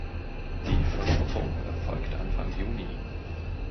Die Verpuppung erfolgt Anfang Juni.